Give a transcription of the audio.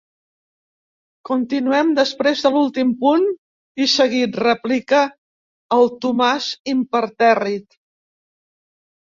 Continuem després de l'últim punt i seguit –replica el Tomàs, impertèrrit–.